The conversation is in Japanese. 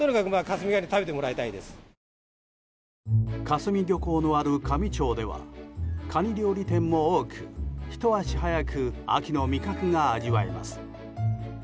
香住漁港のある香美町ではカニ料理店も多くひと足早く秋の味覚が味わえます。